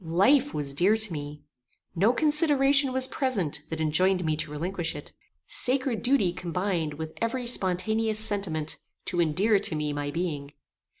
Life was dear to me. No consideration was present that enjoined me to relinquish it. Sacred duty combined with every spontaneous sentiment to endear to me my being.